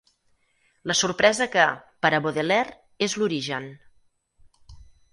La sorpresa que, per a Baudelaire, és l'origen.